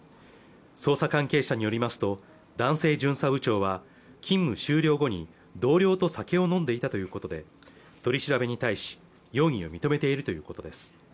捜査関係者によりますと男性巡査部長は勤務終了後に同僚と酒を飲んでいたということで取り調べに対し容疑を認めているということです